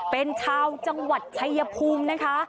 เป็นชาวจังหวัดชายภูมินะคะ